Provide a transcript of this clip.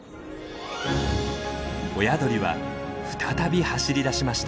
親鳥は再び走り出しました。